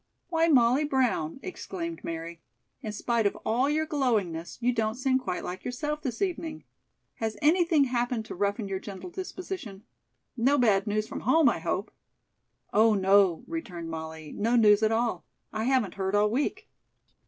"Why, Molly Brown," exclaimed Mary, "in spite of all your glowingness, you don't seem quite like yourself this evening. Has anything happened to roughen your gentle disposition? No bad news from home, I hope?" "Oh, no," returned Molly. "No news at all. I haven't heard all week."